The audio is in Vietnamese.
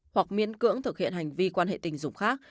hoặc miễn cưỡng thực hiện hành vi quan hệ tình dục khác